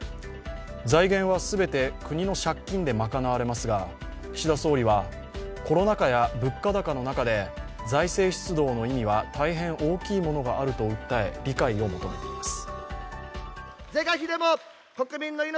財源は全て国の借金で賄われますが岸田総理はコロナ禍や物価高の中で財政出動の意味は大変大きいものがあると訴え理解を求めています。